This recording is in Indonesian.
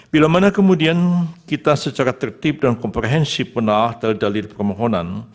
bila mana kemudian kita secara tertib dan komprehensif menaah dari dalil pemohonan